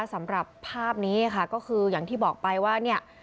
สำหรับภาพนี้ค่ะก็คืออย่างที่บอกไปว่าเนี่ย